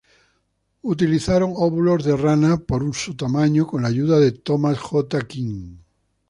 Utilizaron óvulos de rana por su tamaño, Con la ayuda de Thomas J. King.